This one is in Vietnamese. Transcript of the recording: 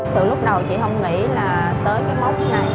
sự lúc đầu chị không nghĩ là tới cái mốc này